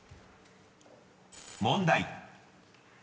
［問題］